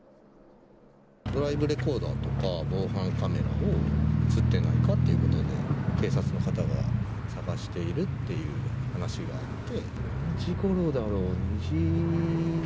ドライブレコーダーとか、防犯カメラを、写ってないかということで、警察の方が探しているっていう話があって。